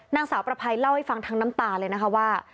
นางสาวประภัยเล่าให้ฟังทั้งน้ำตาเลยนะคะว่า